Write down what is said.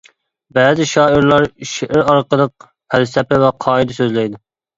بەزى شائىرلار شېئىر ئارقىلىق پەلسەپە ۋە قائىدە سۆزلەيدۇ.